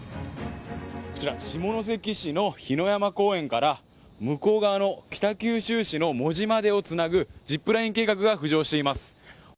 下関市の火の山公園から向こう側の北九州市の門司までをつなぐジップライン計画が浮上しています。